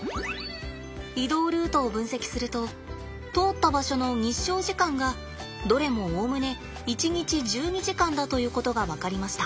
移動ルートを分析すると通った場所の日照時間がどれもおおむね一日１２時間だということが分かりました。